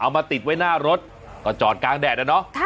เอามาติดไว้หน้ารถก็จอดกลางแดดอ่ะเนอะค่ะ